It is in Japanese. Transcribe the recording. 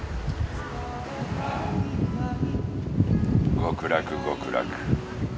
極楽極楽。